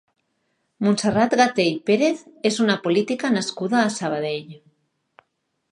Montserrat Gatell Pérez és una política nascuda a Sabadell.